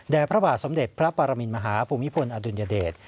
พระบาทสมเด็จพระปรมินมหาภูมิพลอดุลยเดช